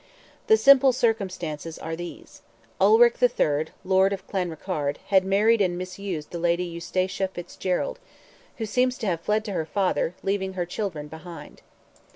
The simple circumstances are these: Ulick III., Lord of Clanrickarde, had married and misused the lady Eustacia Fitzgerald, who seems to have fled to her father, leaving her children behind.